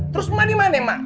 terus mana mana emak